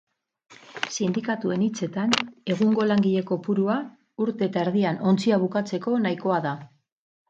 Sindikatuen hitzetan, egungo langile kopurua urte eta erdian ontzia bukatzeko nahikoa da.